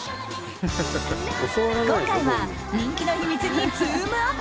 今回は人気の秘密にズームＵＰ！